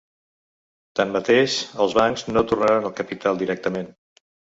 Tanmateix, els bancs no tornaran el capital directament.